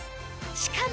しかも。